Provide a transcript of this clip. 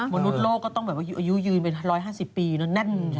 มนุษย์โลกก็ต้องอยู่ยืน๕๐ปีแน่น